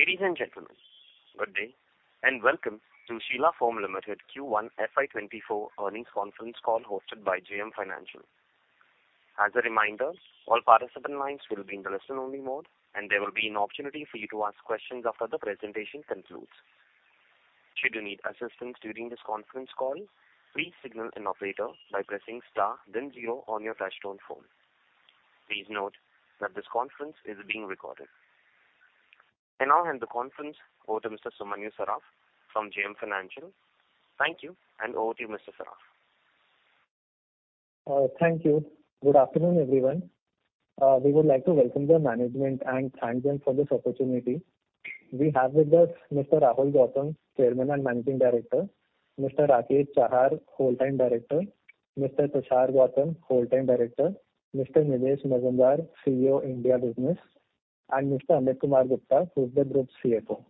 Ladies and gentlemen, good day, and welcome to Sheela Foam Limited Q1 FY 2024 Earnings Conference Call hosted by JM Financial. As a reminder, all participant lines will be in listen-only mode, and there will be an opportunity for you to ask questions after the presentation concludes. Should you need assistance during this conference call, please signal an operator by pressing star then zero on your touchtone phone. Please note that this conference is being recorded. I now hand the conference over to Mr. Sumanyu Saraf from JM Financial. Thank you, and over to you, Mr. Saraf. Thank you. Good afternoon, everyone. We would like to welcome the management and thank them for this opportunity. We have with us Mr. Rahul Gautam, Chairman and Managing Director, Mr. Rakesh Chahar, Whole-Time Director, Mr. Tushar Gautam, Whole-Time Director, Mr. Nilesh Mazumdar, CEO, India Business, and Mr. Amit Kumar Gupta, who is the Group CFO.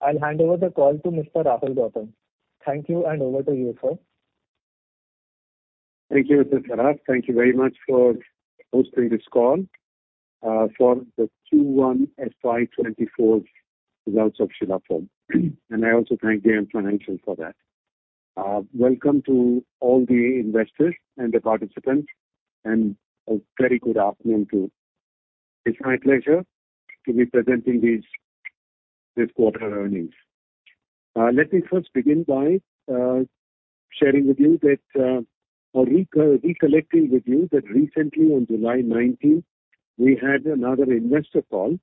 I'll hand over the call to Mr. Rahul Gautam. Thank you, and over to you, sir. Thank you, Mr. Saraf. Thank you very much for hosting this call for the Q1 FY 2024 results of Sheela Foam. I also thank JM Financial for that. Welcome to all the investors and the participants, and a very good afternoon to you. It's my pleasure to be presenting these, this quarter earnings. Let me first begin by sharing with you that, or recollecting with you that recently, on July 19, we had another investor call,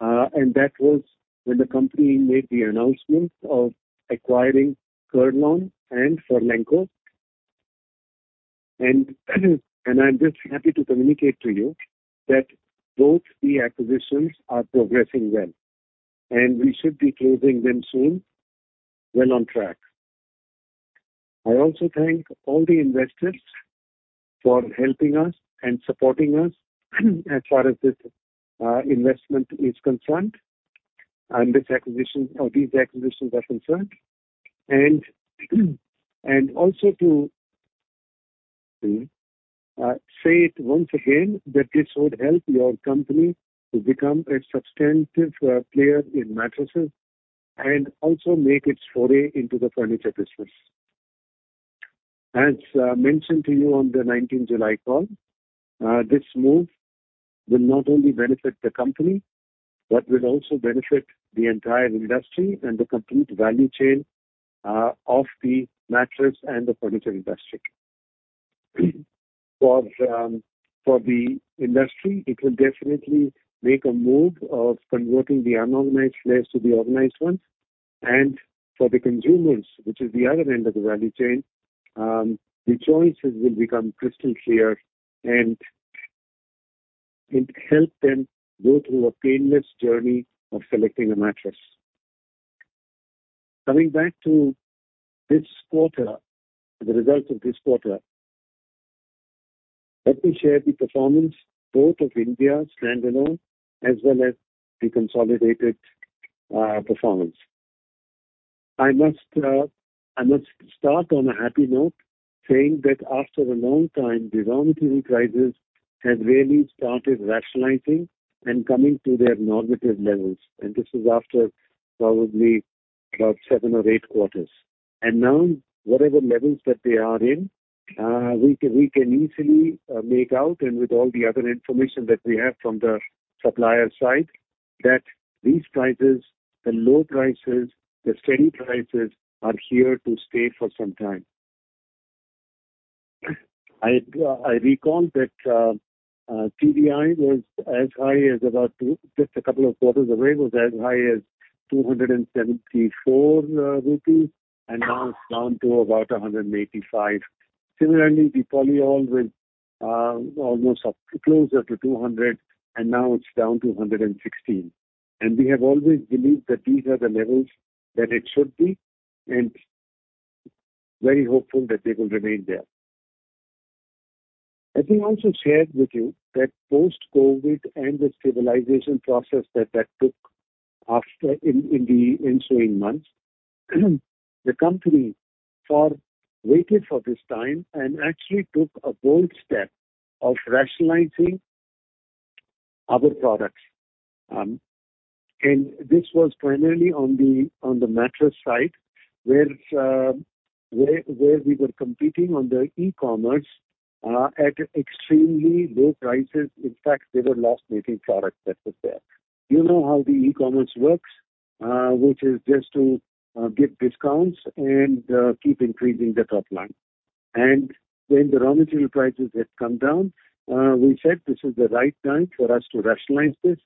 and that was when the company made the announcement of acquiring Kurlon and Furlenco. And I'm just happy to communicate to you that both the acquisitions are progressing well, and we should be closing them soon, well on track. I also thank all the investors for helping us and supporting us as far as this investment is concerned and this acquisition or these acquisitions are concerned. And also to say it once again, that this would help your company to become a substantive player in mattresses and also make its foray into the furniture business. As mentioned to you on the nineteenth July call, this move will not only benefit the company, but will also benefit the entire industry and the complete value chain of the mattress and the furniture industry. For the industry, it will definitely make a move of converting the unorganized players to the organized ones. For the consumers, which is the other end of the value chain, the choices will become crystal clear and it help them go through a painless journey of selecting a mattress. Coming back to this quarter, the results of this quarter, let me share the performance both of India standalone as well as the consolidated performance. I must start on a happy note, saying that after a long time, the raw material prices has really started rationalizing and coming to their normative levels, and this is after probably about 7 or 8 quarters. Now, whatever levels that they are in, we can easily make out, and with all the other information that we have from the supplier side, that these prices, the low prices, the steady prices, are here to stay for some time. I recall that TDI was as high as about 2. Just a couple of quarters away, it was as high as 274 rupees, and now it's down to about 185. Similarly, the polyol was almost up closer to 200, and now it's down to 116. And we have always believed that these are the levels that it should be, and very hopeful that they will remain there. As we also shared with you that post-COVID and the stabilization process that that took after, in the ensuing months, the company waited for this time and actually took a bold step of rationalizing other products. And this was primarily on the mattress side, where we were competing on the e-commerce at extremely low prices. In fact, they were loss-making products that were there. You know how the e-commerce works, which is just to give discounts and keep increasing the top line. When the raw material prices had come down, we said this is the right time for us to rationalize this,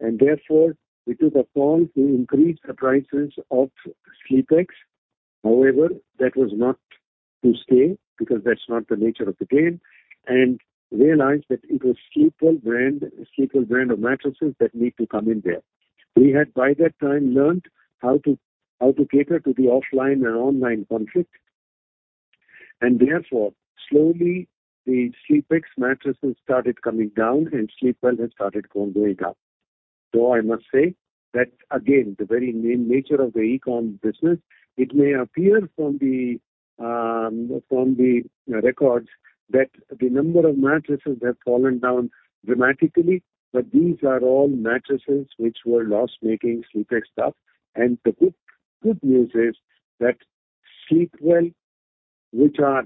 and therefore, we took a call to increase the prices of SleepX. However, that was not to stay because that's not the nature of the game, and realized that it was Sleepwell brand, Sleepwell brand of mattresses that need to come in there. We had, by that time, learned how to cater to the offline and online conflict, and therefore, slowly, the SleepX mattresses started coming down, and Sleepwell had started going up. So I must say that, again, the very nature of the e-com business, it may appear from the records that the number of mattresses have fallen down dramatically, but these are all mattresses which were loss-making SleepX stuff. And the good news is that Sleepwell, which are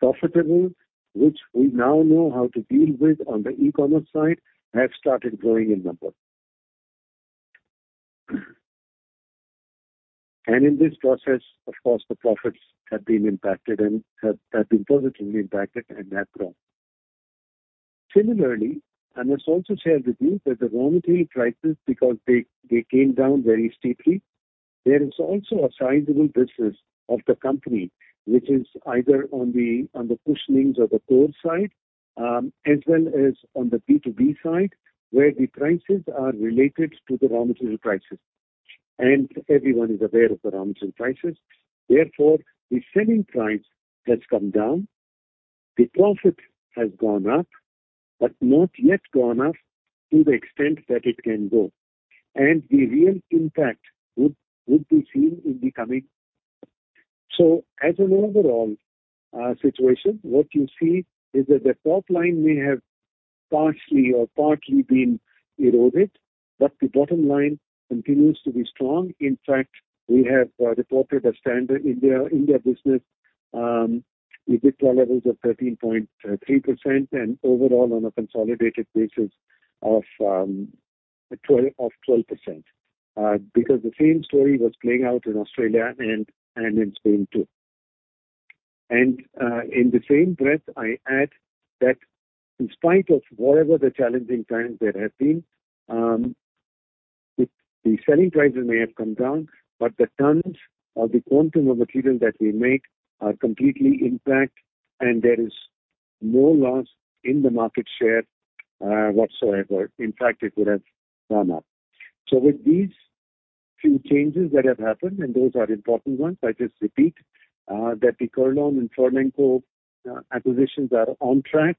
profitable, which we now know how to deal with on the e-commerce side, have started growing in number. And in this process, of course, the profits have been impacted and have been positively impacted and have grown. Similarly, I must also share with you that the raw material prices, because they came down very steeply, there is also a sizable business of the company, which is either on the cushioning or the core side, as well as on the B2B side, where the prices are related to the raw material prices. And everyone is aware of the raw material prices. Therefore, the selling price has come down, the profit has gone up, but not yet gone up to the extent that it can go. And the real impact would be seen in the coming... So as an overall situation, what you see is that the top line may have partially or partly been eroded, but the bottom line continues to be strong. In fact, we have reported a standalone India business EBITDA levels of 13.3%, and overall on a consolidated basis of 12%. Because the same story was playing out in Australia and in Spain, too. In the same breath, I add that in spite of whatever the challenging times there have been, the selling prices may have come down, but the tons or the quantum of material that we make are completely intact, and there is no loss in the market share, whatsoever. In fact, it would have gone up. With these few changes that have happened, and those are important ones, I just repeat, that the Kurlon and Furlenco acquisitions are on track,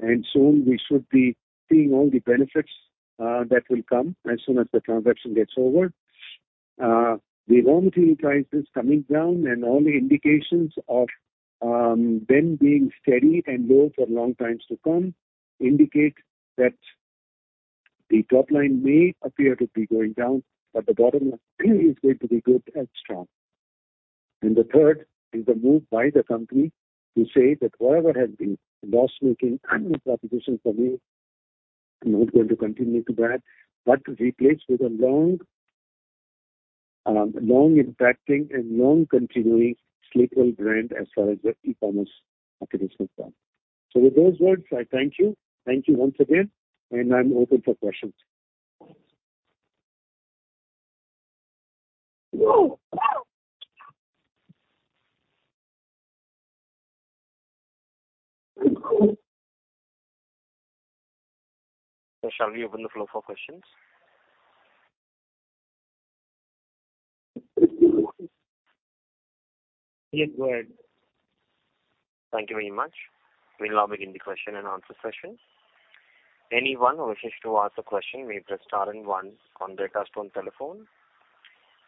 and soon we should be seeing all the benefits, that will come as soon as the transaction gets over. The raw material prices coming down and all the indications of them being steady and low for long times to come indicate that the top line may appear to be going down, but the bottom line is going to be good and strong. And the third is the move by the company to say that whatever has been loss-making propositions for me, I'm not going to continue to bear, but replace with a long, long impacting and long continuing Sleepwell brand as far as the e-commerce market is concerned. So with those words, I thank you. Thank you once again, and I'm open for questions. Shall we open the floor for questions? Yes, go ahead. Thank you very much. We'll now begin the question and answer session. Anyone who wishes to ask a question may press star and one on their telephone.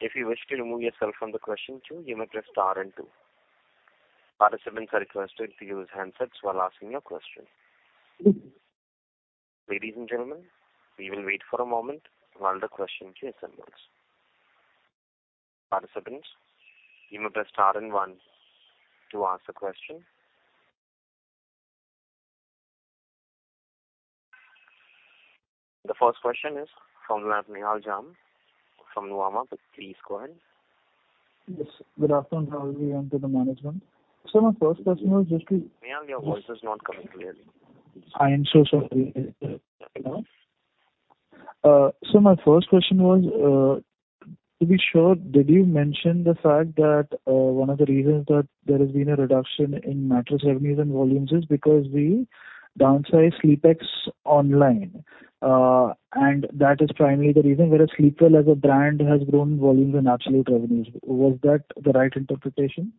If you wish to remove yourself from the queue, you may press star and two. Participants are requested to use handsets while asking your question. Ladies and gentlemen, we will wait for a moment while the questions are sent in. Participants, you may press star and one to ask the question. The first question is from Nihal Jham from Nuvama. Please go ahead. Yes. Good afternoon to the management. So my first question was just to... Nihal, your voice is not coming clearly. I am so sorry. So my first question was, to be sure, did you mention the fact that, one of the reasons that there has been a reduction in mattress revenues and volumes is because we downsized SleepX online, and that is primarily the reason, whereas Sleepwell as a brand has grown volumes and absolute revenues. Was that the right interpretation?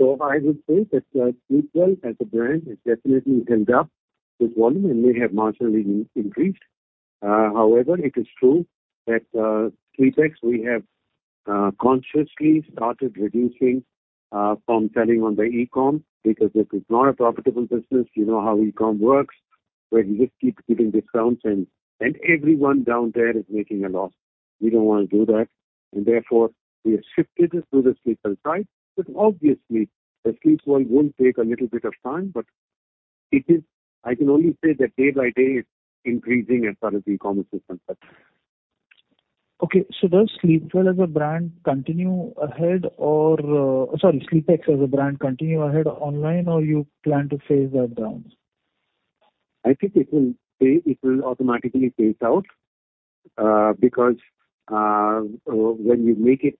So I would say that, Sleepwell as a brand has definitely held up its volume and may have marginally increased. However, it is true that, SleepX, we have consciously started reducing from selling on the e-com because it is not a profitable business. You know how e-com works, where you just keep giving discounts, and, and everyone down there is making a loss. We don't want to do that, and therefore, we have shifted it to the Sleepwell side. But obviously, the Sleepwell will take a little bit of time, but it is—I can only say that day by day, it's increasing as far as the e-commerce is concerned. Okay. So does Sleepwell as a brand continue ahead or, sorry, SleepX as a brand continue ahead online, or you plan to phase that down? I think it will pay, it will automatically phase out, because when you make it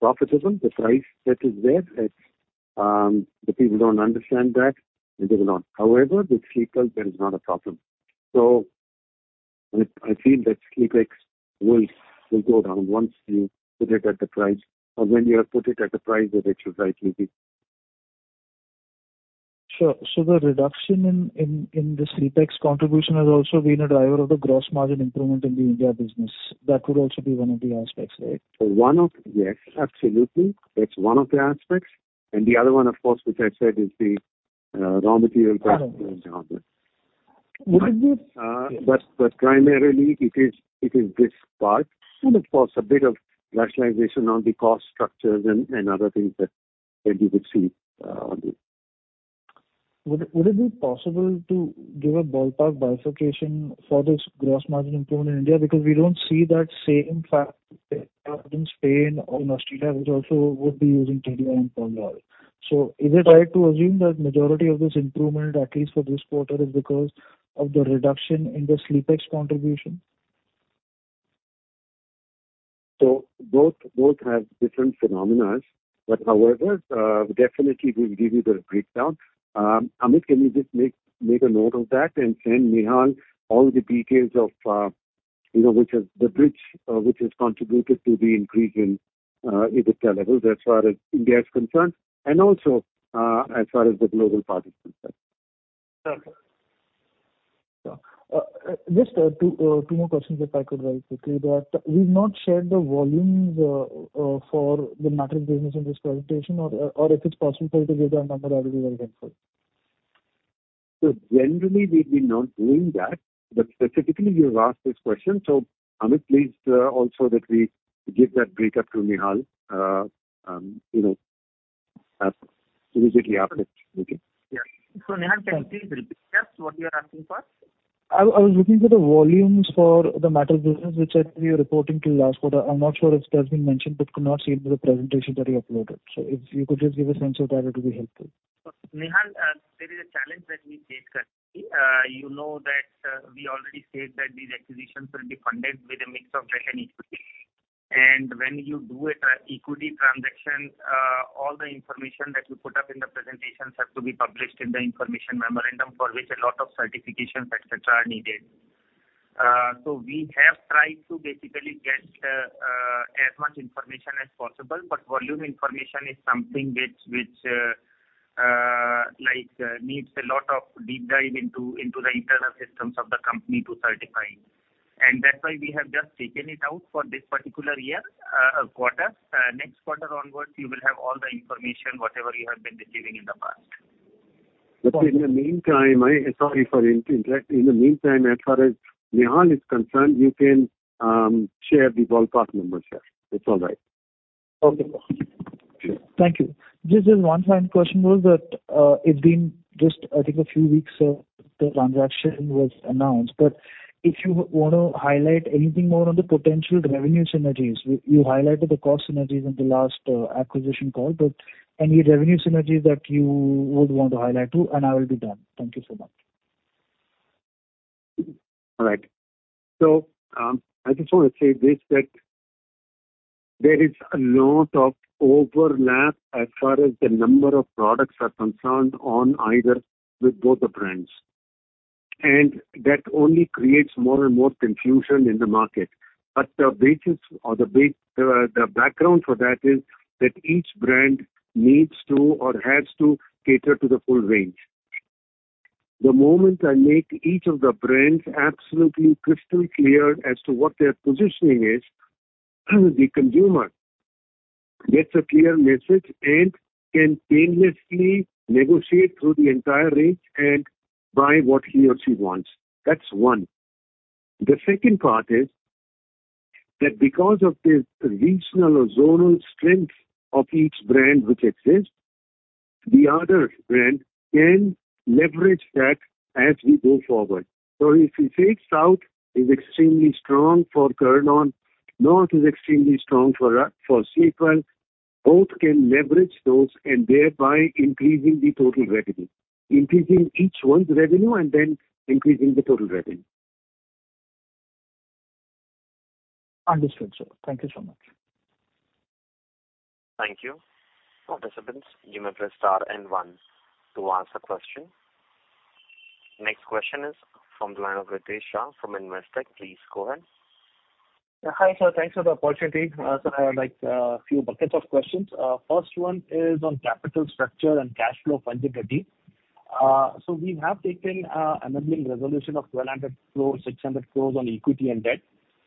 profitable, the price that is there, it's the people don't understand that, and they will not. However, with Sleepwell, there is not a problem. So I feel that SleepX will go down once you put it at the price or when you have put it at the price that it should rightly be. Sure. So the reduction in the SleepX contribution has also been a driver of the gross margin improvement in the India business. That would also be one of the aspects, right? One of... Yes, absolutely. It's one of the aspects, and the other one, of course, which I said is the raw material price. But, but primarily it is, it is this part, so that cause a bit of rationalization on the cost structures and, and other things that, that you would see on this. Would it be possible to give a ballpark bifurcation for this gross margin improvement in India? Because we don't see that same factor in Spain or in Australia, which also would be using TDI and Polyol. So is it right to assume that majority of this improvement, at least for this quarter, is because of the reduction in the SleepX contribution? So both have different phenomena, but however, definitely we will give you the breakdown. Amit, can you just make a note of that and send Nihal all the details of, you know, which is the bridge, which has contributed to the increase in EBITDA levels as far as India is concerned, and also, as far as the global part is concerned. Sure. Just two more questions, if I could very quickly, but we've not shared the volumes for the mattress business in this presentation, or if it's possible for you to give that number, that would be very helpful. Generally, we've been not doing that, but specifically, you've asked this question. So Amit, please, also that we give that breakup to Nihal, you know, immediately after this meeting. Yeah. So Nihal, can you please repeat what you are asking for? I was looking for the volumes for the mattress business, which I think we were reporting till last quarter. I'm not sure if that's been mentioned, but could not see it in the presentation that you uploaded. So if you could just give a sense of that, it'll be helpful. Nihal, there is a challenge that we face currently. You know that, we already said that these acquisitions will be funded with a mix of debt and equity. And when you do an equity transaction, all the information that you put up in the presentations have to be published in the information memorandum, for which a lot of certifications, et cetera, are needed. So we have tried to basically get as much information as possible, but volume information is something which, like, needs a lot of deep dive into the internal systems of the company to certify. And that's why we have just taken it out for this particular year, quarter. Next quarter onwards, you will have all the information, whatever you have been receiving in the past. But in the meantime, I... Sorry for interrupting. In the meantime, as far as Nihal is concerned, you can share the ballpark numbers here. It's all right. Okay. Thank you. Just one final question was that it's been just, I think, a few weeks since the transaction was announced, but if you want to highlight anything more on the potential revenue synergies. You highlighted the cost synergies in the last acquisition call, but any revenue synergies that you would want to highlight, too, and I will be done. Thank you so much. All right. So, I just want to say this, that there is a lot of overlap as far as the number of products are concerned on either with both the brands. That only creates more and more confusion in the market. The basis or the base, the background for that is, that each brand needs to or has to cater to the full range. The moment I make each of the brands absolutely crystal clear as to what their positioning is, the consumer gets a clear message and can seamlessly negotiate through the entire range and buy what he or she wants. That's one. The second part is, that because of the regional or zonal strength of each brand which exists, the other brand can leverage that as we go forward. So if we say South is extremely strong for Kurlon, North is extremely strong for Sheela Foam, both can leverage those and thereby increasing the total revenue. Increasing each one's revenue and then increasing the total revenue. Understood, sir. Thank you so much. Thank you. Participants, you may press star and one to ask a question. Next question is from the line of Ritesh Shah from Investec. Please go ahead. Yeah, hi, sir. Thanks for the opportunity. So I have, like, a few buckets of questions. First one is on capital structure and cash flow funding, Gautam. So we have taken enabling resolution of 1,200 crores, 600 crores on equity and debt.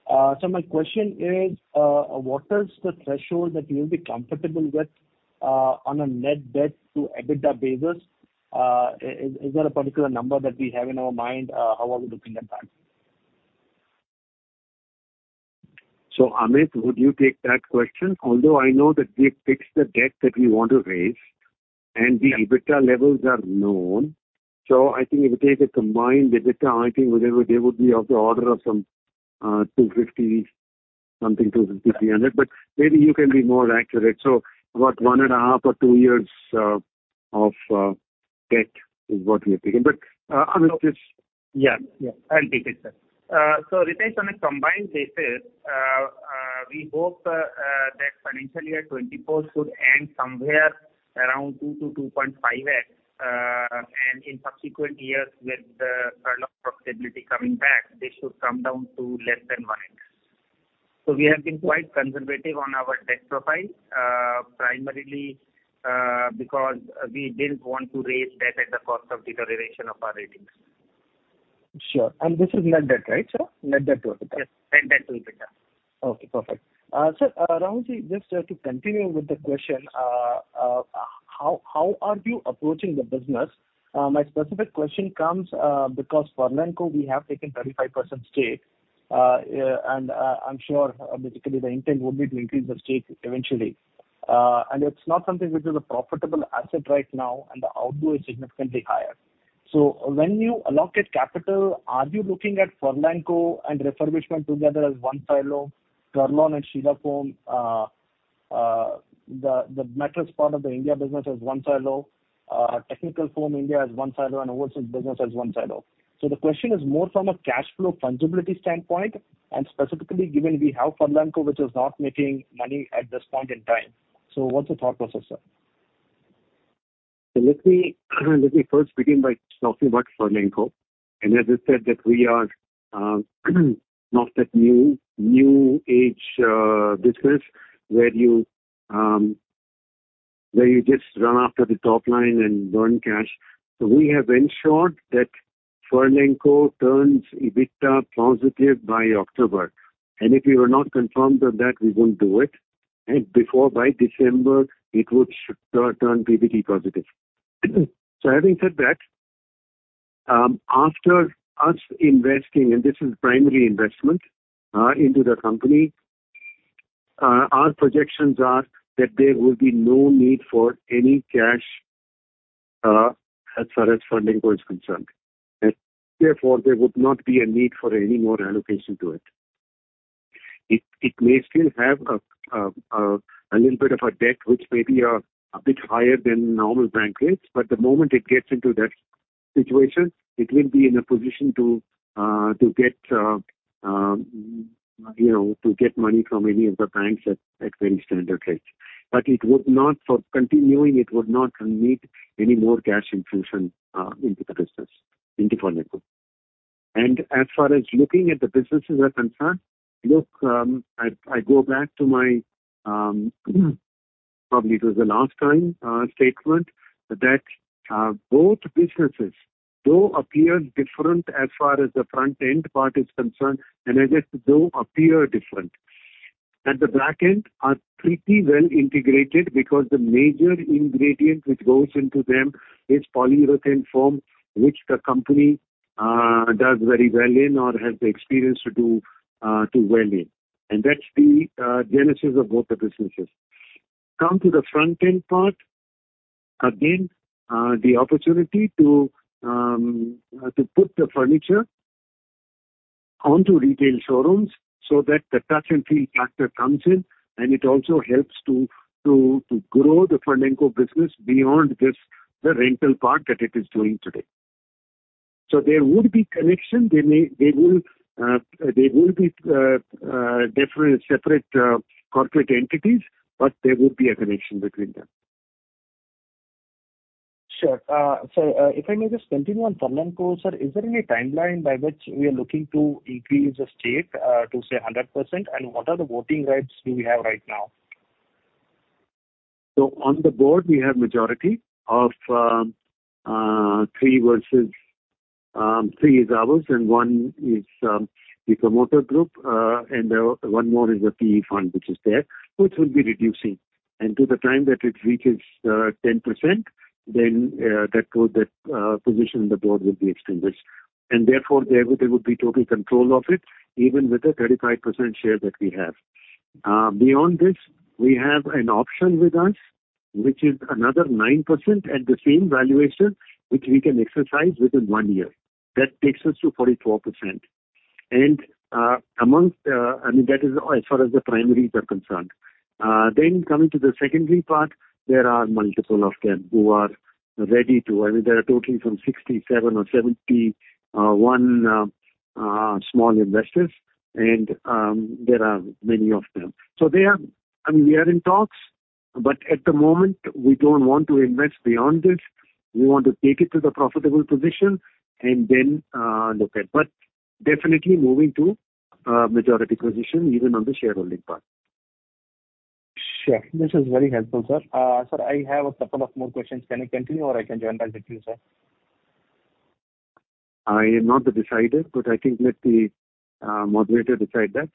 My question is, what is the threshold that you'll be comfortable with, on a net debt to EBITDA basis? Is, is there a particular number that we have in our mind? How are we looking at that? So, Amit, would you take that question? Although I know that we've fixed the debt that we want to raise, and the EBITDA levels are known. So I think if we take a combined EBITDA, I think they would, they would be of the order of some 250-something, 250, 300, but maybe you can be more accurate. So about 1.5 or 2 years of debt is what we have taken. But, Amit, please. Yeah, yeah, I'll take it, sir. So Ritesh, on a combined basis, we hope that financial year 2024 should end somewhere around 2-2.5x. And in subsequent years, with the Furlenco profitability coming back, this should come down to less than 1x. So we have been quite conservative on our debt profile, primarily because we didn't want to raise debt at the cost of deterioration of our ratings. Sure. And this is net debt, right, sir? Net debt to EBITDA. Yes, net debt to EBITDA. Okay, perfect. Sir, Rahul, just to continue with the question, how are you approaching the business? My specific question comes because for Furlenco we have taken 35% stake, and I'm sure basically the intent would be to increase the stake eventually. And it's not something which is a profitable asset right now, and the outdoor is significantly higher. So when you allocate capital, are you looking at Furlenco and refurbishment together as one silo, Kurlon and Sheela Foam, the mattress part of the India business as one silo, Technical Foam India as one silo, and overseas business as one silo? So the question is more from a cash flow fungibility standpoint, and specifically given we have Furlenco, which is not making money at this point in time. So what's the thought process, sir? So let me, let me first begin by talking about Furlenco. And as I said, that we are not that new, new age business, where you just run after the top line and burn cash. So we have ensured that Furlenco turns EBITDA positive by October, and if we were not confirmed on that, we won't do it. And before, by December, it would turn PBT positive. So having said that, after us investing, and this is primary investment into the company, our projections are that there will be no need for any cash as far as Furlenco is concerned. And therefore, there would not be a need for any more allocation to it. It, it may still have a, a little bit of a debt, which may be, a bit higher than normal bank rates, but the moment it gets into that situation, it will be in a position to, to get, you know, to get money from any of the banks at, at very standard rates. But it would not... For continuing, it would not need any more cash infusion, into the business, into Furlenco. And as far as looking at the businesses are concerned, look, I, I go back to my, probably it was the last time, statement, that, both businesses though appear different as far as the front end part is concerned, and I said, though, appear different. At the back end, are pretty well integrated because the major ingredient which goes into them is polyurethane foam, which the company does very well in or has the experience to do too well in. And that's the genesis of both the businesses. Come to the front-end part, again, the opportunity to to put the furniture onto retail showrooms so that the touch and feel factor comes in, and it also helps to grow the Furlenco business beyond this, the rental part that it is doing today. So there would be connection. They will they will be different, separate corporate entities, but there will be a connection between them. Sure. So, if I may just continue on Furlenco, sir, is there any timeline by which we are looking to increase the stake, to, say, 100%? And what are the voting rights do we have right now? So on the board, we have majority of, 3 versus 3 is ours and 1 is the promoter group, and 1 more is a PE fund, which is there, which will be reducing. And to the time that it reaches 10%, then that would position on the board will be extinguished. And therefore, there there would be total control of it, even with the 35% share that we have. Beyond this, we have an option with us, which is another 9% at the same valuation, which we have we can exercise within one year. That takes us to 44%. And amongst... I mean, that is as far as the primaries are concerned. Then coming to the secondary part, there are multiple of them who are ready to—I mean, there are totally some 67 or 71 small investors, and there are many of them. So they are—I mean, we are in talks, but at the moment, we don't want to invest beyond this. We want to take it to the profitable position and then look at. But definitely moving to a majority position even on the shareholding part. Sure. This is very helpful, sir. Sir, I have a couple of more questions. Can I continue, or I can join back with you, sir? I am not the decider, but I think let the moderator decide that.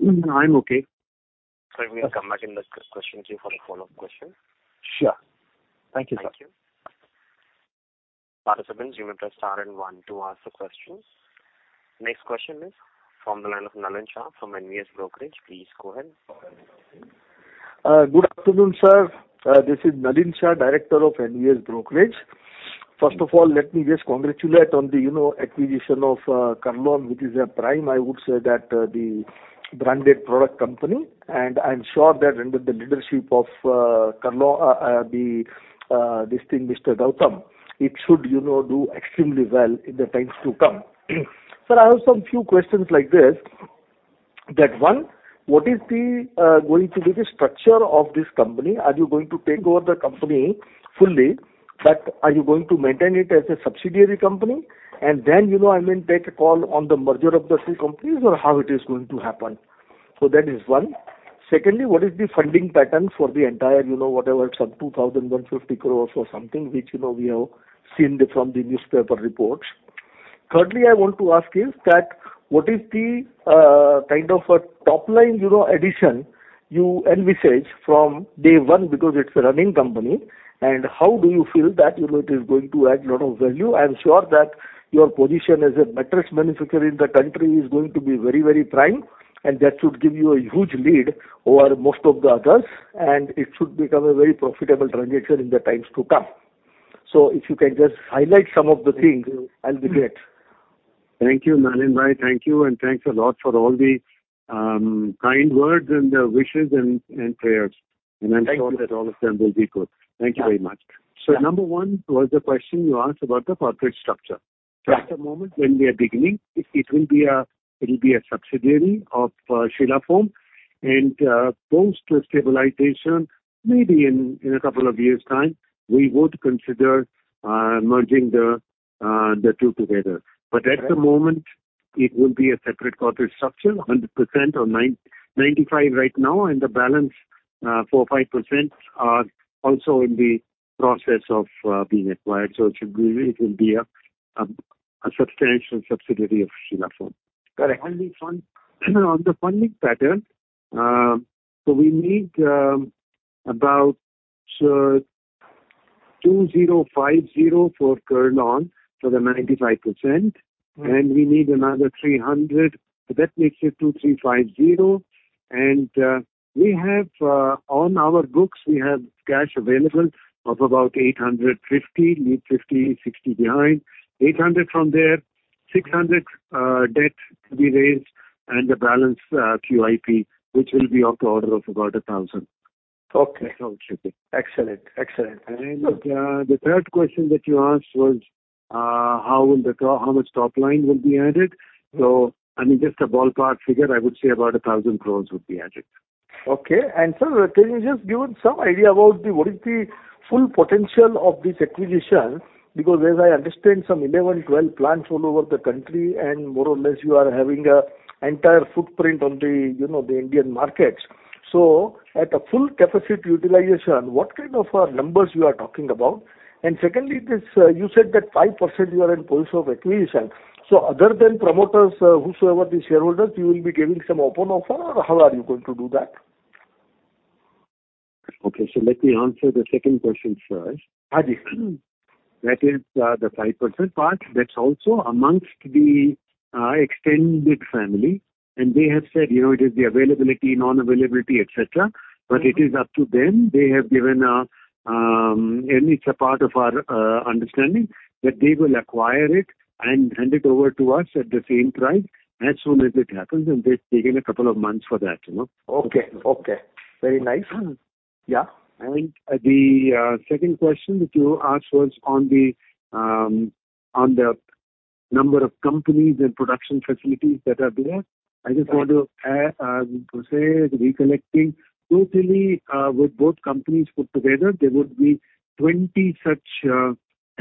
I'm okay. Sir, we will come back and discuss your questions for the follow-up question. Sure. Thank you, sir. Thank you. Participants, you may press star and one to ask the questions. Next question is from the line of Nalin Shah from NVS Brokerage. Please go ahead. Good afternoon, sir. This is Nalin Shah, director of NVS Brokerage. First of all, let me just congratulate on the, you know, acquisition of Kurlon, which is a prime, I would say that, the branded product company, and I'm sure that under the leadership of Kurlon the distinguished Mr. Gautam, it should, you know, do extremely well in the times to come. Sir, I have some few questions like this: That one, what is the going to be the structure of this company? Are you going to take over the company fully, but are you going to maintain it as a subsidiary company? And then, you know, I mean, take a call on the merger of the two companies or how it is going to happen. So that is one. Secondly, what is the funding pattern for the entire, you know, whatever, some 2,150 crore or something, which, you know, we have seen from the newspaper reports? Thirdly, I want to ask is that what is the kind of a top-line, you know, addition you envisage from day one, because it's a running company, and how do you feel that, you know, it is going to add a lot of value? I'm sure that your position as a mattress manufacturer in the country is going to be very, very prime, and that should give you a huge lead over most of the others, and it should become a very profitable transaction in the times to come. So if you can just highlight some of the things, I'll be great. Thank you, Nalinbhai. Thank you, and thanks a lot for all the kind words and wishes and prayers. Thank you. I'm sure that all of them will be good. Thank you very much. Yeah. So, number one, was the question you asked about the corporate structure. Yeah. At the moment, when we are beginning, it will be a subsidiary of Sheela Foam, and post stabilization, maybe in a couple of years' time, we would consider merging the two together. Right. But at the moment it will be a separate corporate structure, 100% or 95% right now, and the balance 5% are also in the process of being acquired. So it should be, it will be a substantial subsidiary of Sheela Foam. Correct. On the funding pattern, so we need about 2,050 for Kurlon, for the 95%- Mm. and we need another 300. So that makes it 2,350, and we have on our books we have cash available of about 850, leave 50, 60 behind. 800 from there, 600 debt to be raised, and the balance QIP, which will be of the order of about 1,000. Okay. It should be. Excellent. Excellent. The third question that you asked was, how will the top... How much top line will be added? So, I mean, just a ballpark figure, I would say about 1,000 crore would be added. Okay. Sir, can you just give us some idea about the, what is the full potential of this acquisition? Because as I understand, some 11, 12 plants all over the country, and more or less you are having an entire footprint on the, you know, the Indian markets. So at a full capacity utilization, what kind of numbers you are talking about? And secondly, this, you said that 5% you are in possession of acquisition. So other than promoters, whosoever the shareholders, you will be giving some open offer, or how are you going to do that? Okay, so let me answer the second question first. Yes. That is, the 5% part, that's also amongst the extended family, and they have said, you know, it is the availability, non-availability, et cetera. Mm. But it is up to them. It's a part of our understanding that they will acquire it and hand it over to us at the same price as soon as it happens, and they've taken a couple of months for that, you know? Okay, okay. Very nice. Yeah. I think the second question that you asked was on the number of companies and production facilities that are there. Right. I just want to add, to say, reconnecting, totally, with both companies put together, there would be 20 such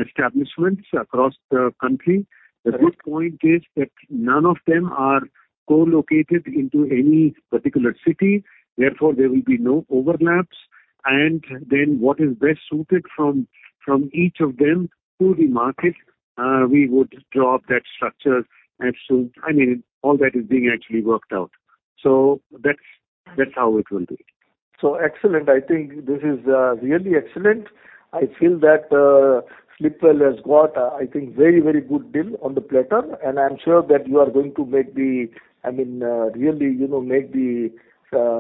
establishments across the country. Correct. The good point is that none of them are co-located into any particular city, therefore, there will be no overlaps. And then what is best suited from each of them to the market, we would draw up that structure, and so, I mean, all that is being actually worked out. So that's how it will be. So excellent. I think this is really excellent. I feel that Sleepwell has got, I think, very, very good deal on the platter, and I'm sure that you are going to make the... I mean, really, you know, make the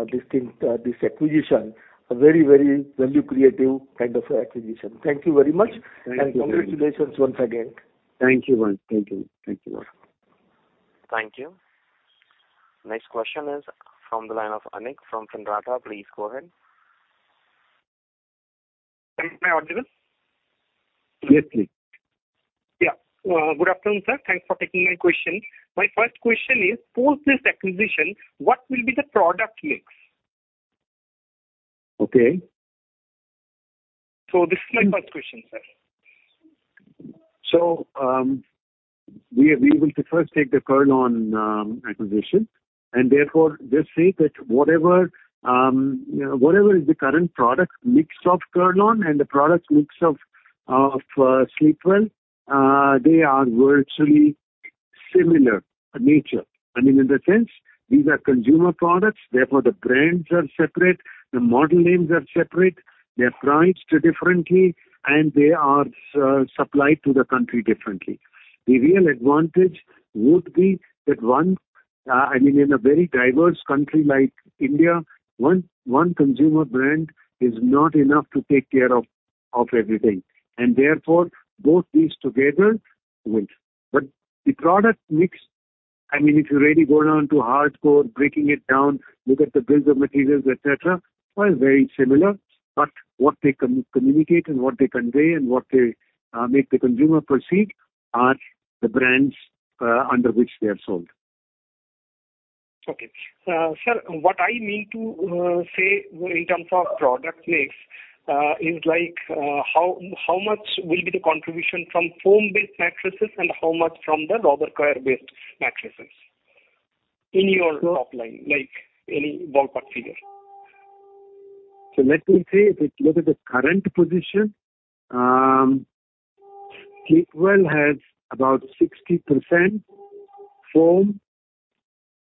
this thing this acquisition a very, very value creative kind of acquisition. Thank you very much. Thank you very much. Congratulations once again. Thank you, bye. Thank you. Thank you very much. Thank you. Next question is from the line of Anik, from Findata. Please go ahead. Am I audible? Yes, please. Yeah. Good afternoon, sir. Thanks for taking my question. My first question is, post this acquisition, what will be the product mix? Okay. This is my first question, sir. So, we will first take the Kurlon acquisition, and therefore, just say that whatever is the current product mix of Kurlon and the product mix of Sleepwell, they are virtually similar in nature. I mean, in the sense, these are consumer products, therefore, the brands are separate, the model names are separate, they are priced differently, and they are supplied to the country differently. The real advantage would be that once, I mean, in a very diverse country like India, one consumer brand is not enough to take care of everything, and therefore, both these together will. But the product mix, I mean, if you really go down to hardcore, breaking it down, look at the bills of materials, et cetera, well, very similar, but what they communicate and what they convey and what they make the consumer perceive are the brands under which they are sold. Okay. Sir, what I mean to say in terms of product mix is like how much will be the contribution from foam-based mattresses, and how much from the rubber coil-based mattresses in your top line, like, any ballpark figure? Let me see. If you look at the current position, Sleepwell has about 60% foam,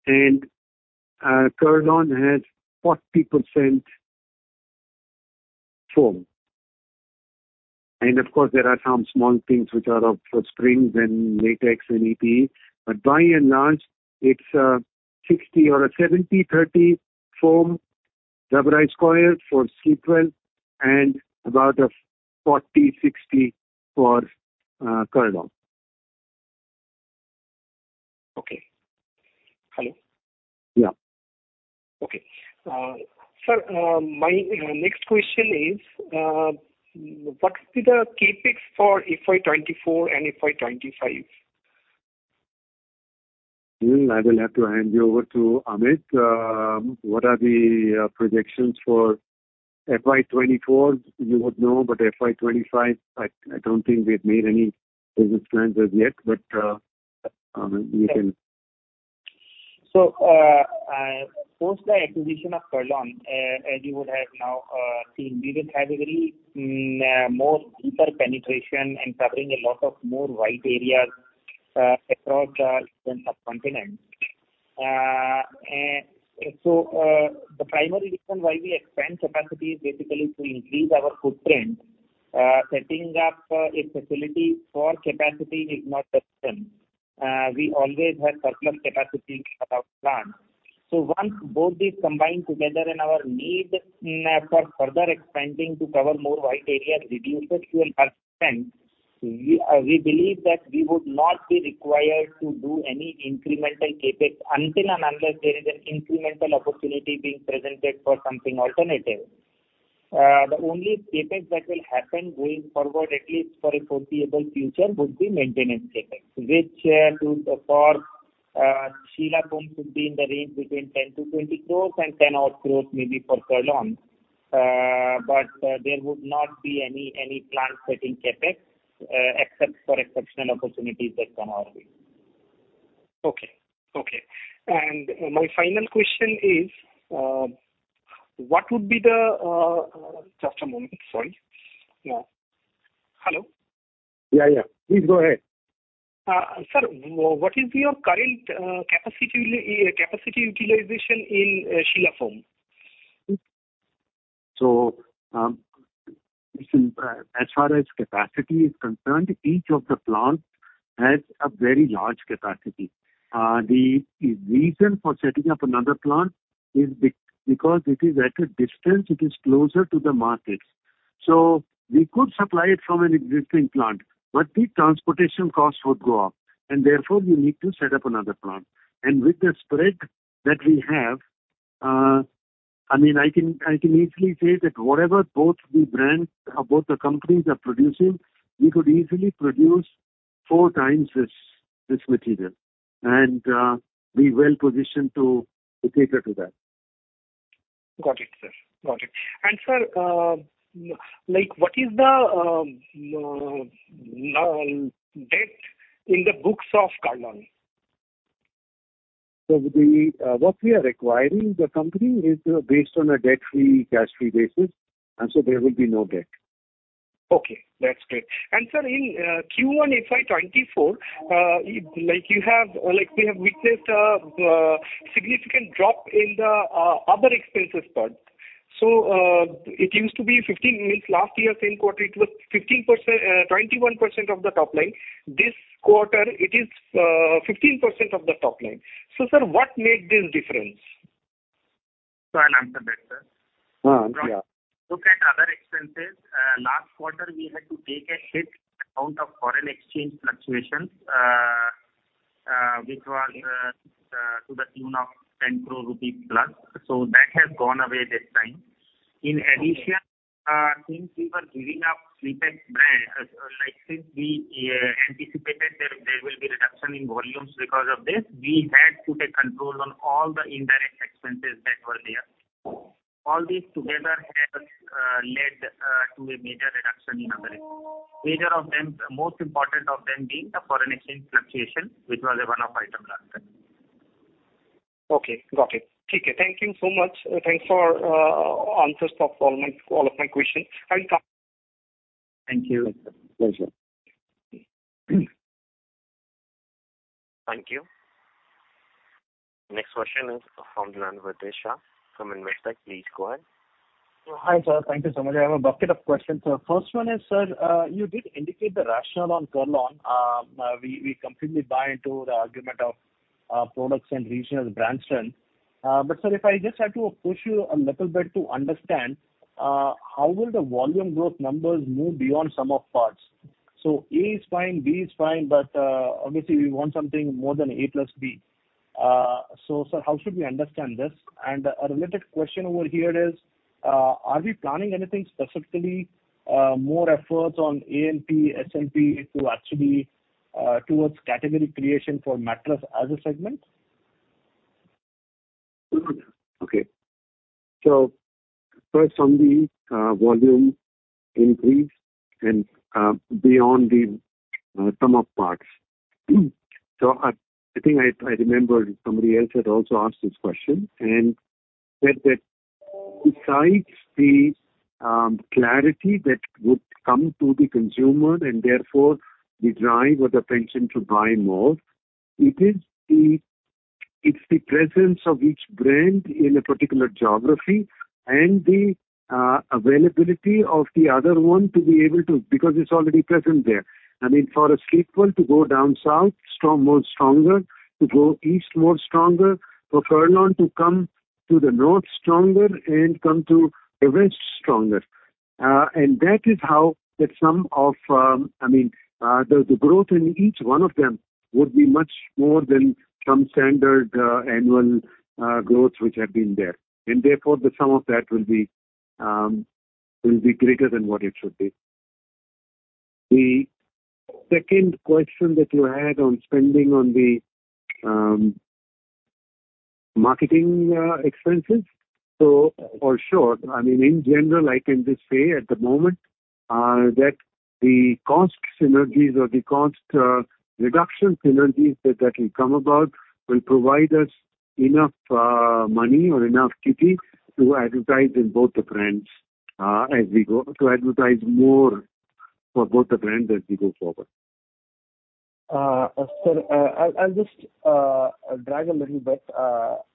and Kurlon has 40% foam. And of course, there are some small things which are of, for springs and latex and EPE. But by and large, it's 60 or 70/30 foam, rubberized coil for Sleepwell, and about a 40/60 for Kurlon. Okay. Hello? Yeah. Okay. Sir, my next question is, what is the CapEx for FY 2024 and FY 2025? I will have to hand you over to Amit. What are the projections for FY24? You would know, but FY25, I don't think we've made any business plans as yet, but Amit, you can- So, post the acquisition of Kurlon, as you would have now seen, we will have a very more deeper penetration and covering a lot of more wide areas, across the subcontinent. And so, the primary reason why we expand capacity is basically to increase our footprint. Setting up a facility for capacity is not the concern. We always have surplus capacity at our plant. So once both these combine together and our need for further expanding to cover more wide areas reduces to a percent, we believe that we would not be required to do any incremental CapEx until and unless there is an incremental opportunity being presented for something alternative. The only CapEx that will happen going forward, at least for a foreseeable future, would be maintenance CapEx, which for Sheela Foam could be in the range between 10-20 crores and 10 or crores maybe for Kurlon. But there would not be any, any plant setting CapEx, except for exceptional opportunities that come our way. Okay, okay. And my final question is, what would be the... Just a moment, sorry. Yeah. Hello? Yeah, yeah. Please go ahead. Sir, what is your current capacity utilization in Sheela Foam? As far as capacity is concerned, each of the plants has a very large capacity. The reason for setting up another plant is because it is at a distance, it is closer to the markets. So we could supply it from an existing plant, but the transportation costs would go up, and therefore, we need to set up another plant. And with the spread that we have, I mean, I can easily say that whatever both the brands or both the companies are producing, we could easily produce four times this material, and be well positioned to cater to that. Got it, sir. Got it. And sir, like, what is the debt in the books of Kurlon? So, what we are acquiring, the company is based on a debt-free, cash-free basis, and so there will be no debt. Okay, that's great. And sir, in Q1 FY 2024, like you have, like we have witnessed, significant drop in the other expenses part. So, it seems to be 15, means, last year, same quarter, it was 15 percent, 21 percent of the top line. This quarter, it is 15 percent of the top line. So sir, what made this difference? I'll answer that, sir. Uh, yeah. Look at other expenses. Last quarter, we had to take a hit on the foreign exchange fluctuations, which was, to the tune of 10 crore rupees plus. So that has gone away this time. In addition, since we were giving up SleepX brand, like, since we anticipated that there will be reduction in volumes because of this, we had to take control on all the indirect expenses that were there. All these together have led to a major reduction in operating. Major of them, most important of them being the foreign exchange fluctuation, which was a one-off item last time. Okay. Got it. Thank you so much. Thanks for answers of all my, all of my questions. I will talk- Thank you. Pleasure. Thank you. Next question is from Ritesh Shah from Investec. Please go ahead. Hi, sir. Thank you so much. I have a bucket of questions. So first one is, sir, you did indicate the rationale on Kurlon. We completely buy into the argument of products and regional brand strength. But sir, if I just had to push you a little bit to understand, how will the volume growth numbers move beyond sum of parts? So A is fine, B is fine, but obviously we want something more than A plus B. So sir, how should we understand this? And a related question over here is, are we planning anything specifically, more efforts on A&P, S&P to actually towards category creation for mattress as a segment?... Okay. So first on the volume increase and beyond the sum of parts. So I think I remember somebody else had also asked this question and said that besides the clarity that would come to the consumer and therefore the drive or the intention to buy more, it is the presence of each brand in a particular geography and the availability of the other one to be able to... Because it's already present there. I mean, for a Sleepwell to go down south stronger, to go east stronger, for Kurlon to come to the north stronger, and come to the west stronger. And that is how the sum of, I mean, the growth in each one of them would be much more than some standard annual growth which had been there. And therefore, the sum of that will be, will be greater than what it should be. The second question that you had on spending on the marketing expenses. So, oh, sure. I mean, in general, I can just say at the moment that the cost synergies or the cost reduction synergies that will come about will provide us enough money or enough kitty to advertise in both the brands as we go, to advertise more for both the brands as we go forward. Sir, I'll just dive a little bit.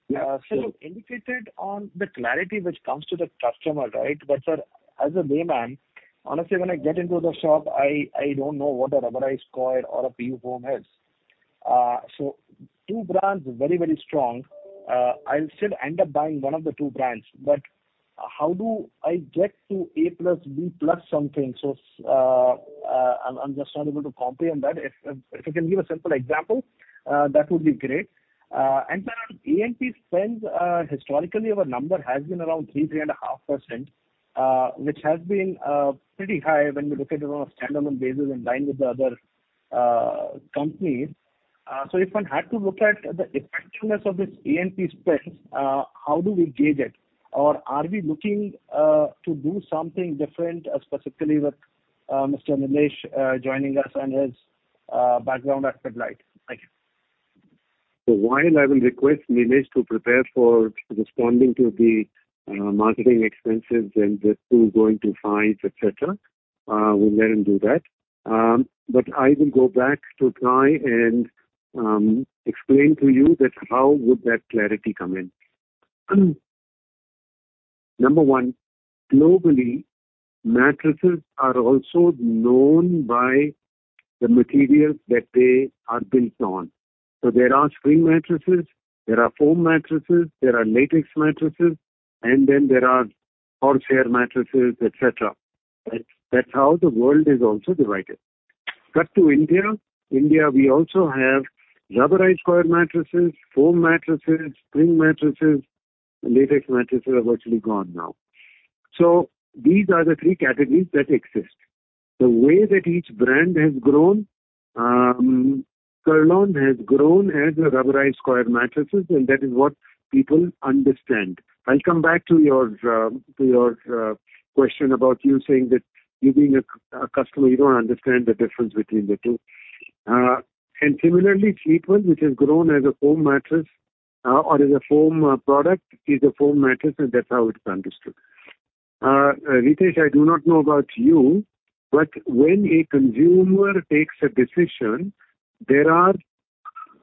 Yeah. Sir, you indicated on the clarity which comes to the customer, right? But sir, as a layman, honestly, when I get into the shop, I don't know what a rubberized coil or a PU foam is. So two brands are very, very strong. I'll still end up buying one of the two brands, but how do I get to A plus B plus something? So, I'm just not able to comprehend that. If you can give a simple example, that would be great. And sir, A&P spends, historically, our number has been around 3-3.5%, which has been pretty high when you look at it on a standalone basis in line with the other companies. So if one had to look at the effectiveness of this A&P spends, how do we gauge it? Or are we looking to do something different, specifically with Mr. Nilesh joining us and his background at Pidilite? Thank you. So while I will request Nilesh to prepare for responding to the, marketing expenses and the two going to fives, et cetera, we'll let him do that. But I will go back to try and explain to you that how would that clarity come in. Number one, globally, mattresses are also known by the materials that they are built on. So there are spring mattresses, there are foam mattresses, there are latex mattresses, and then there are horsehair mattresses, et cetera. Right? That's how the world is also divided. Cut to India. India, we also have rubberized coil mattresses, foam mattresses, spring mattresses. Latex mattresses are virtually gone now. So these are the three categories that exist. The way that each brand has grown, Kurlon has grown as a rubberized coil mattresses, and that is what people understand. I'll come back to your, to your, question about you saying that you being a customer, you don't understand the difference between the two. And similarly, Sleepwell, which has grown as a foam mattress, or as a foam, product, is a foam mattress, and that's how it's understood. Ritesh, I do not know about you, but when a consumer takes a decision, there are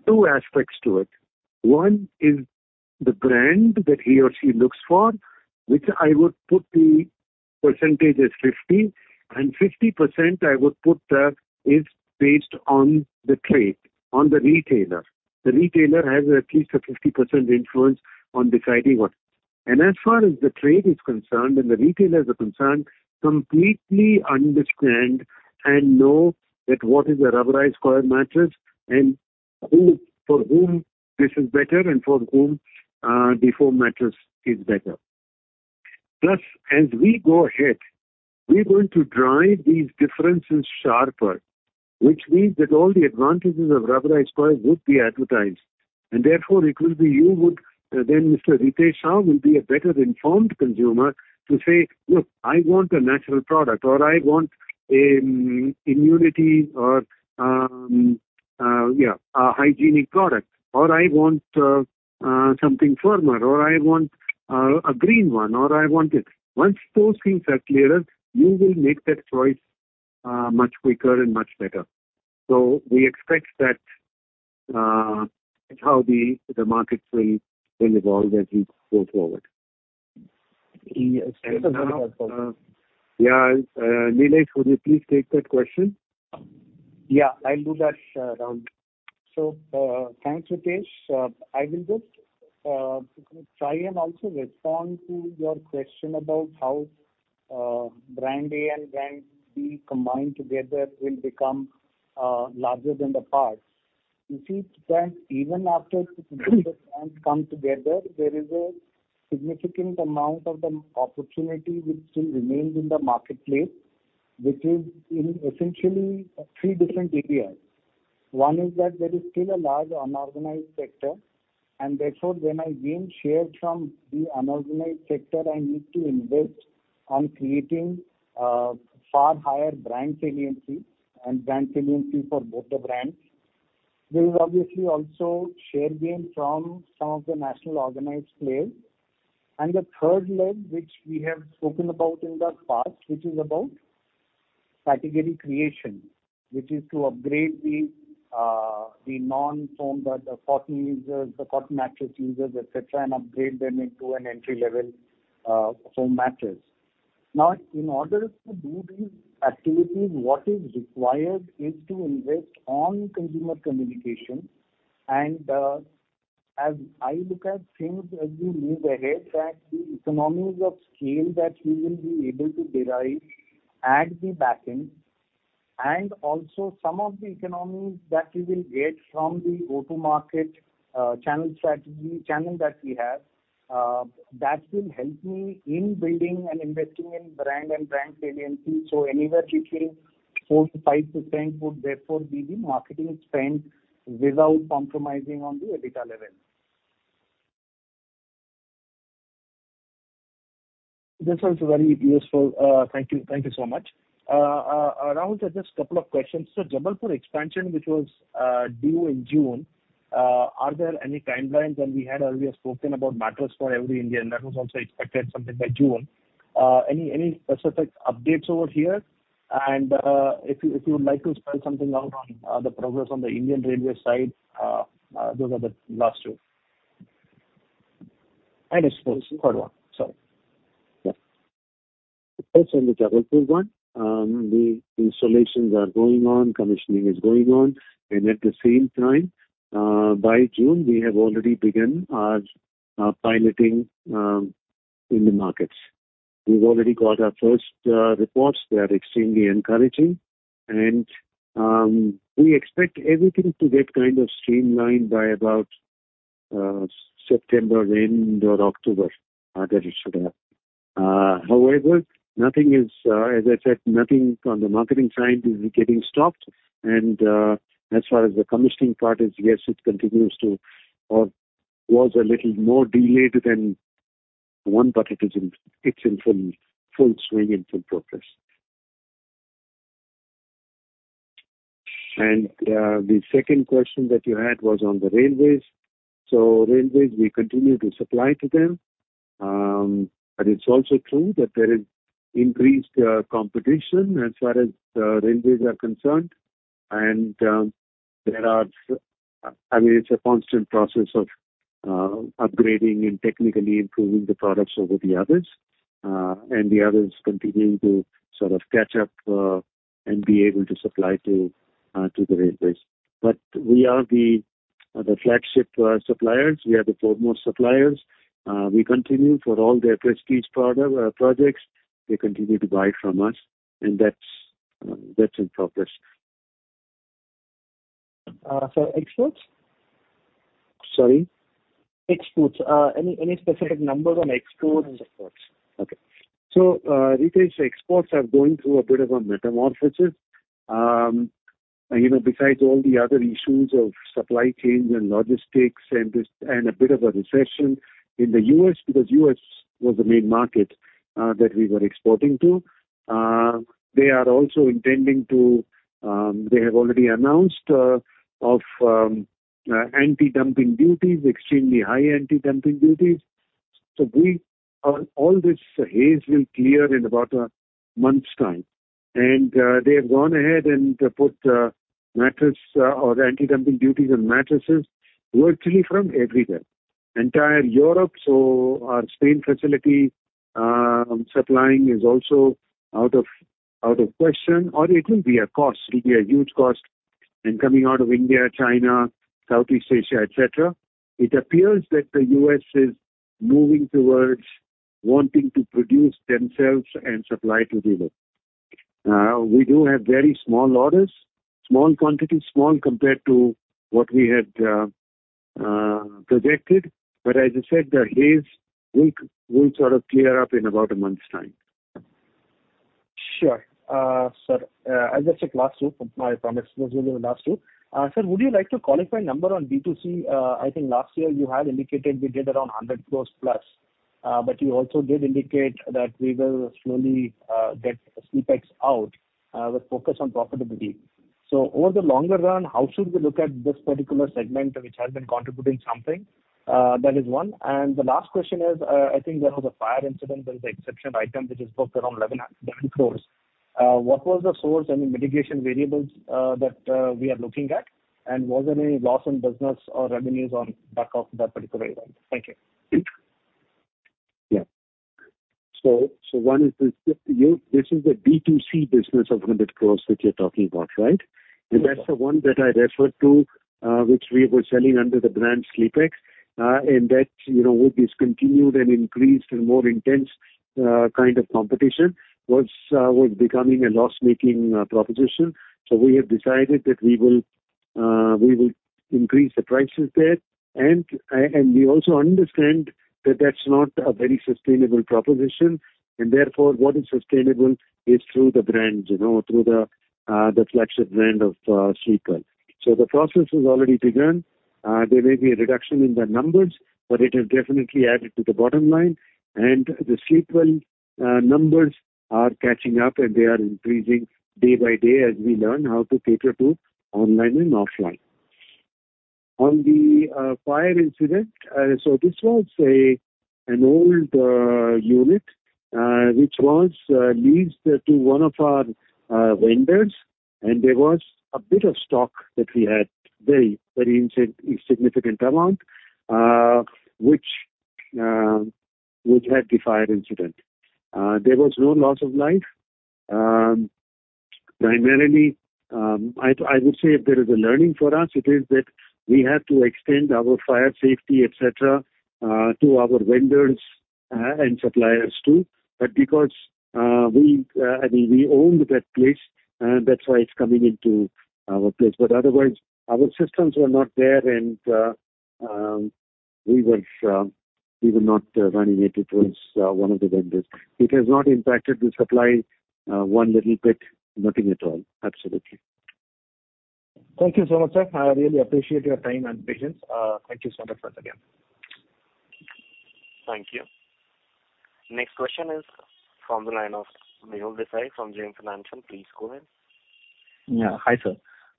two aspects to it. One is the brand that he or she looks for, which I would put the percentage as 50%, and 50% I would put that is based on the trade, on the retailer. The retailer has at least a 50% influence on deciding what. As far as the trade is concerned and the retailers are concerned, completely understand and know that what is a rubberized coil mattress and who, for whom this is better and for whom the foam mattress is better. Plus, as we go ahead, we're going to drive these differences sharper, which means that all the advantages of rubberized coil would be advertised. And therefore, it will be you would then Mr. Ritesh Shah will be a better informed consumer to say, "Look, I want a natural product, or I want immunity or, yeah, a hygienic product, or I want something firmer, or I want a green one, or I want it." Once those things are clearer, you will make that choice much quicker and much better. So we expect that how the market will evolve as we go forward. Yes. And now, Nilesh, would you please take that question? Yeah, I'll do that, Ram. So, thanks, Ritesh. I will just, try and also respond to your question about how, brand A and brand B combined together will become, larger than the parts. You see, that even after the brands come together, there is a significant amount of the opportunity which still remains in the marketplace, which is in essentially three different areas.... One is that there is still a large unorganized sector, and therefore, when I gain shares from the unorganized sector, I need to invest on creating, far higher brand saliency and brand saliency for both the brands. There is obviously also share gain from some of the national organized players. The third leg, which we have spoken about in the past, which is about category creation, which is to upgrade the non-foam, the cotton users, the cotton mattress users, et cetera, and upgrade them into an entry-level foam mattress. Now, in order to do these activities, what is required is to invest on consumer communication. And, as I look at things as we move ahead, that the economies of scale that we will be able to derive at the back end, and also some of the economies that we will get from the go-to-market channel strategy, channel that we have, that will help me in building and investing in brand and brand saliency. So anywhere between 4%-5% would therefore be the marketing spend without compromising on the EBITDA levels. This was very useful. Thank you. Thank you so much. Rahul, just a couple of questions. So Jabalpur expansion, which was due in June, are there any timelines? And we had earlier spoken about Mattress for Every Indian. That was also expected something by June. Any specific updates over here? And if you would like to spell something out on the progress on the Indian Railways side, those are the last two. And I suppose third one. Sorry. Yes, on the Jabalpur one, the installations are going on, commissioning is going on, and at the same time, by June, we have already begun our piloting in the markets. We've already got our first reports. They are extremely encouraging, and we expect everything to get kind of streamlined by about September end or October, that it should have. However, nothing is... As I said, nothing on the marketing side is getting stopped. And, as far as the commissioning part is, yes, it continues to or was a little more delayed than one, but it is in, it's in full, full swing and full progress. And, the second question that you had was on the railways. So railways, we continue to supply to them. But it's also true that there is increased competition as far as the railways are concerned. And there are—I mean, it's a constant process of upgrading and technically improving the products over the others, and the others continuing to sort of catch up, and be able to supply to, to the railways. But we are the flagship suppliers. We are the foremost suppliers. We continue for all their prestige projects. They continue to buy from us, and that's in progress. Sir, exports? Sorry. Exports. Any specific numbers on exports? Okay. So, retail exports are going through a bit of a metamorphosis. You know, besides all the other issues of supply chains and logistics and this, and a bit of a recession in the U.S., because U.S. was the main market that we were exporting to. They are also intending to, they have already announced of anti-dumping duties, extremely high anti-dumping duties. So we, all this haze will clear in about a month's time. And, they have gone ahead and put mattress or anti-dumping duties on mattresses virtually from everywhere, entire Europe. So our Spain facility on supplying is also out of, out of question, or it will be a cost. It'll be a huge cost in coming out of India, China, Southeast Asia, et cetera. It appears that the U.S. is moving towards wanting to produce themselves and supply to the world. We do have very small orders, small quantities, small compared to what we had projected. But as I said, the haze will sort of clear up in about a month's time. Sure. Sir, as I said, last two, my promise, those will be the last two. Sir, would you like to qualify a number on B2C? I think last year you had indicated we did around 100 crore plus, but you also did indicate that we will slowly get SleepX out, with focus on profitability. So over the longer run, how should we look at this particular segment, which has been contributing something? That is one. And the last question is, I think there was a fire incident. There is an exceptional item which is booked around 11 crore. What was the source and the mitigation variables that we are looking at? And was there any loss in business or revenues on back of that particular event? Thank you. Yeah. So, so one is this, you, this is the B2C business of 100 crore that you're talking about, right? Yes, sir. And that's the one that I referred to, which we were selling under the brand SleepX. And that, you know, with discontinued and increased and more intense, kind of competition, was becoming a loss-making proposition. So we have decided that we will increase the prices there. And I, and we also understand that that's not a very sustainable proposition, and therefore, what is sustainable is through the brands, you know, through the flagship brand of Sleepwell. So the process has already begun. There may be a reduction in the numbers, but it has definitely added to the bottom line, and the Sleepwell numbers are catching up, and they are increasing day by day as we learn how to cater to online and offline. On the fire incident, so this was an old unit which was leased to one of our vendors, and there was a bit of stock that we had, very, very insignificant amount, which had the fire incident. There was no loss of life. Primarily, I would say if there is a learning for us, it is that we have to extend our fire safety, et cetera, to our vendors and suppliers, too. But because we I mean, we owned that place, that's why it's coming into our place. But otherwise, our systems were not there and we were not running it. It was one of the vendors. It has not impacted the supply one little bit, nothing at all. Absolutely. Thank you so much, sir. I really appreciate your time and patience. Thank you so much once again. Thank you. Next question is from the line of Mehul Desai from JM Financial. Please go ahead. Yeah. Hi, sir.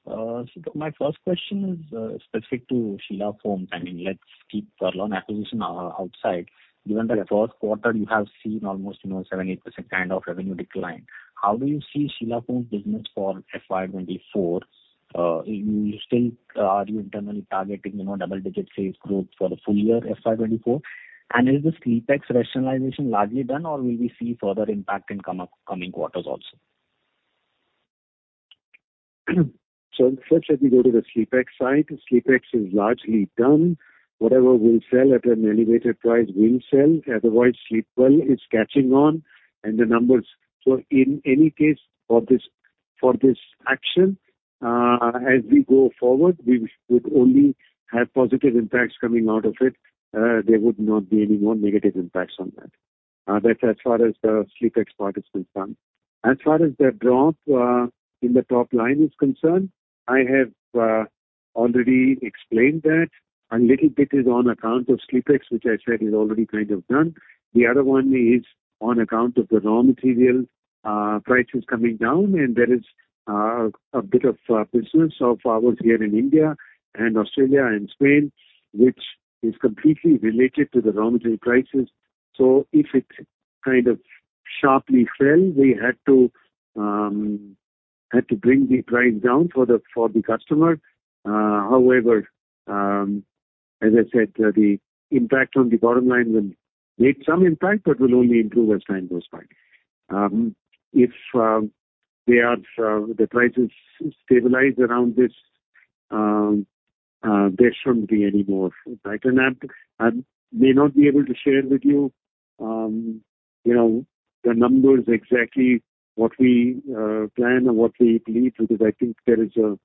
So my first question is specific to Sheela Foam. I mean, let's keep Kurlon acquisition outside. Given that the first quarter you have seen almost, you know, 7%-8% kind of revenue decline, how do you see Sheela Foam business for FY 2024? You still, are you internally targeting, you know, double-digit sales growth for the full year, FY 2024? And is the SleepX rationalization largely done, or will we see further impact in coming quarters also? So first, let me go to the SleepX side. SleepX is largely done. Whatever we'll sell at an elevated price, we'll sell. Otherwise, Sleepwell is catching on, and the numbers... So in any case, for this, for this action, as we go forward, we would only have positive impacts coming out of it. There would not be any more negative impacts on that. That's as far as the SleepX part is concerned. As far as the drop in the top line is concerned, I have already explained that. A little bit is on account of SleepX, which I said is already kind of done. The other one is on account of the raw material prices coming down, and there is a bit of business of ours here in India and Australia and Spain, which is completely related to the raw material prices. So if it kind of sharply fell, we had to, had to bring the price down for the, for the customer. However, as I said, the impact on the bottom line will make some impact, but will only improve as time goes by. If we are, the prices stabilize around this, there shouldn't be any more impact. And I'm, I may not be able to share with you, you know, the numbers, exactly what we, plan or what we believe, because I think there is a,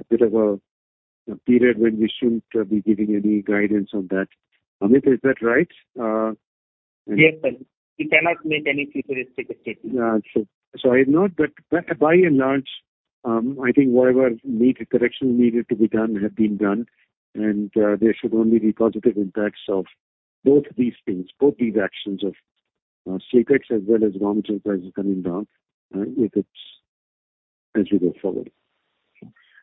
a bit of a, a period when we shouldn't be giving any guidance on that. Amit, is that right? Yes, sir. We cannot make any futuristic statement. But by and large, I think whatever need, correction needed to be done, have been done, and there should only be positive impacts of both these things, both these actions of SleepX as well as raw material prices coming down, if it's as we go forward.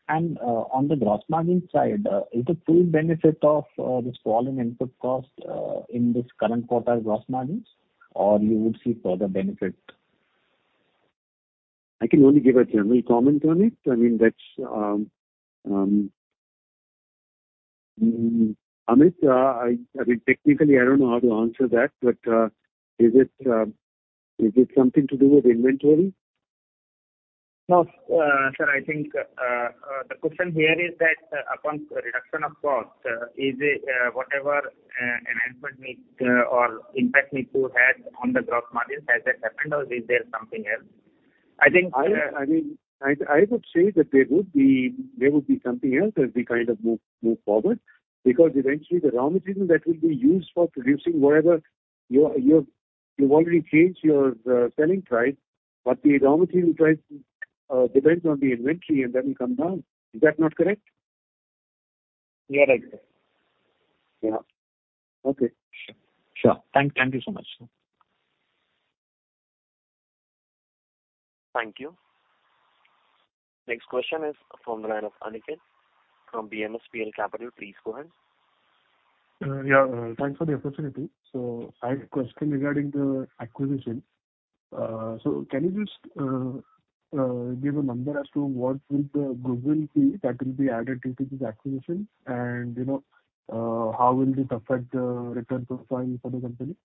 On the gross margin side, is the full benefit of this falling input cost in this current quarter gross margins, or you would see further benefit? I can only give a general comment on it. I mean, that's Amit, I mean, technically, I don't know how to answer that, but, is it, is it something to do with inventory? No. Sir, I think, the question here is that, upon the reduction of cost, is it, whatever, enhancement need, or impact need to have on the gross margin, has that happened or is there something else? I think, I mean, I would say that there would be something else as we kind of move forward, because eventually the raw material that will be used for producing whatever you've already changed your selling price, but the raw material price depends on the inventory, and that will come down. Is that not correct? You are right, sir. Yeah. Okay, sure. Thank, thank you so much, sir. Thank you. Next question is from the line of Aniket from BMSPL Capital. Please go ahead. Yeah. Thanks for the opportunity. I had a question regarding the acquisition. Can you just give a number as to what will the goodwill be that will be added into this acquisition? And, you know, how will it affect the return profile for the company?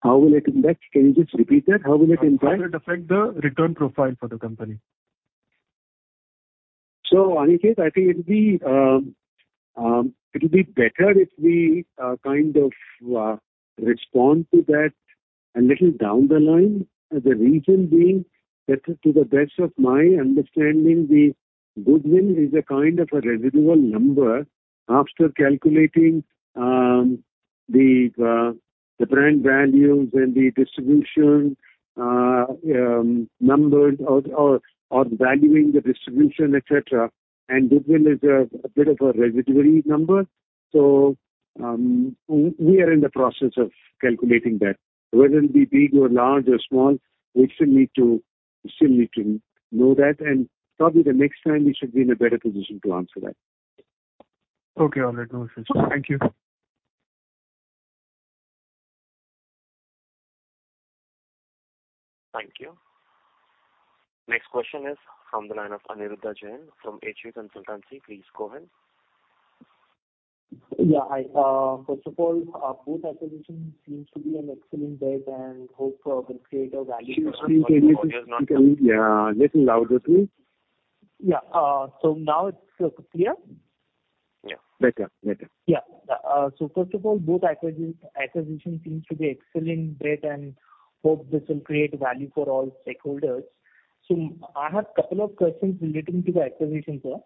How will it impact? Can you just repeat that? How will it impact? How will it affect the return profile for the company? So, Aniket, I think it'll be better if we kind of respond to that a little down the line. The reason being that to the best of my understanding, the goodwill is a kind of a residual number after calculating the brand values and the distribution numbers or valuing the distribution, et cetera, and goodwill is a bit of a residuary number. So, we are in the process of calculating that. Whether it be big or large or small, we still need to know that, and probably the next time we should be in a better position to answer that. Okay. All right, no issues. Thank you. Thank you. Next question is from the line of Anirudha Jain from HU Consultancy. Please go ahead. Yeah, I first of all, both acquisition seems to be an excellent bet and hope will create a value- Excuse me, can you, can you, little louder, please? Yeah. So now it's clear? Yeah, better, better. Yeah. So first of all, both acquisition seems to be excellent bet, and hope this will create value for all stakeholders. So I have a couple of questions relating to the acquisition, sir.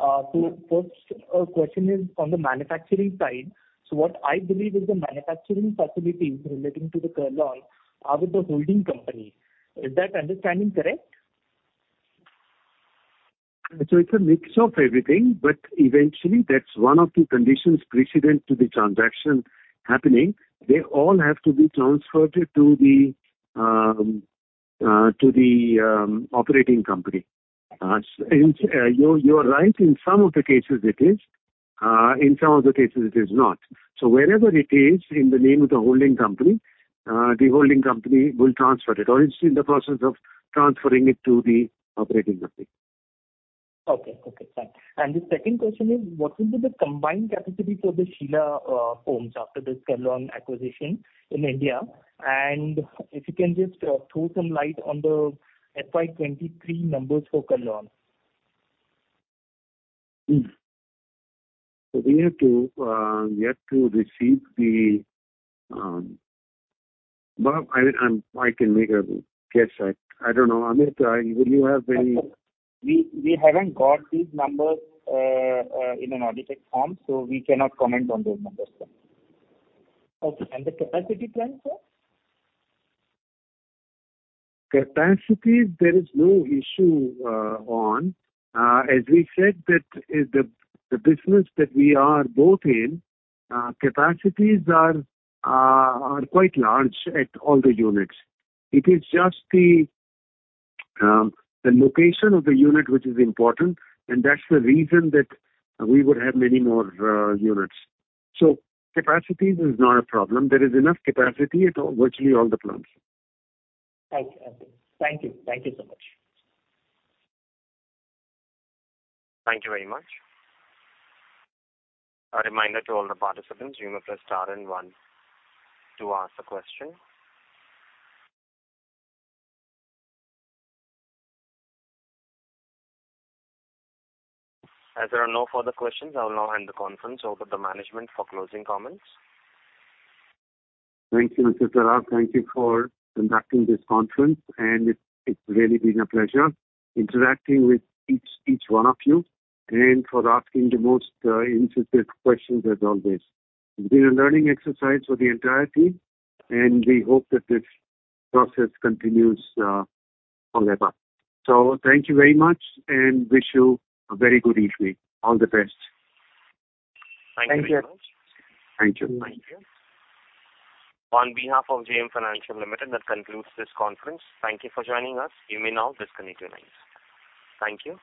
So first, question is on the manufacturing side. So what I believe is the manufacturing facilities relating to the Kurlon are with the holding company. Is that understanding correct? So it's a mix of everything, but eventually that's one of the conditions precedent to the transaction happening. They all have to be transferred to the operating company. You are right, in some of the cases it is, in some of the cases it is not. So wherever it is in the name of the holding company, the holding company will transfer it or it's in the process of transferring it to the operating company. Okay. Okay, fine. The second question is: What will be the combined capacity for the Sheela Foams after this Kurlon acquisition in India? And if you can just throw some light on the FY 2023 numbers for Kurlon. So we have to receive the... Well, I can make a guess. I don't know. Amit, will you have any- We haven't got these numbers in an audited form, so we cannot comment on those numbers then. Okay, and the capacity plan, sir? Capacity, there is no issue on. As we said, that is the business that we are both in, capacities are quite large at all the units. It is just the location of the unit, which is important, and that's the reason that we would have many more units. So capacities is not a problem. There is enough capacity at all, virtually all the plants. Thank you. Thank you. Thank you so much. Thank you very much. A reminder to all the participants, you may press star and one to ask the question. As there are no further questions, I will now hand the conference over to management for closing comments. Thank you, Mr. Tarak. Thank you for conducting this conference, and it's, it's really been a pleasure interacting with each, each one of you, and for asking the most interesting questions as always. It's been a learning exercise for the entire team, and we hope that this process continues forever. So thank you very much, and wish you a very good evening. All the best. Thank you very much. Thank you. Thank you. On behalf of JM Financial Limited, that concludes this conference. Thank you for joining us. You may now disconnect your lines. Thank you.